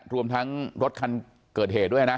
รวมทั้งรถคันเกิดเหตุด้วยนะ